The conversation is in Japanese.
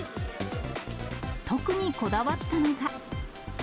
特にこだわったのが。